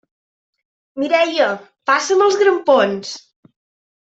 Mireia, passa'm els grampons!